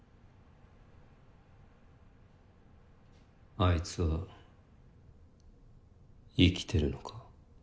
アイツは生きてるのか。